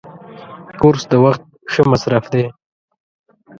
کورس د وخت ښه مصرف دی.